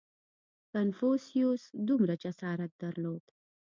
• کنفوسیوس دومره جسارت درلود.